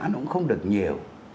nó cũng không được nhiều